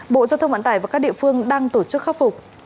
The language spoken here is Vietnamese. bộ giao thông vận tải và các địa phương đang tổ chức khắc phục